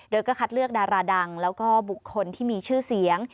โดยก็คัดเลือกดาราดังแล้วก็บุคคลที่มีชื่อเสียง